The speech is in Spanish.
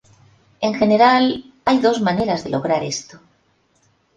En general, hay dos maneras de lograr esto.